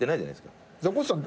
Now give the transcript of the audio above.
ザコシさん